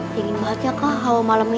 dingin banget ya kak hawa malam ini